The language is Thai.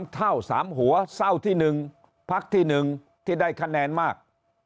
เท่า๓หัวเศร้าที่๑พักที่๑ที่ได้คะแนนมาก